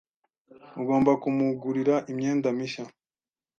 Ugomba kumugurira imyenda mishya.